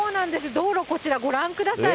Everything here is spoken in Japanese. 道路、こちら、ご覧ください。